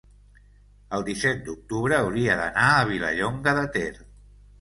el disset d'octubre hauria d'anar a Vilallonga de Ter.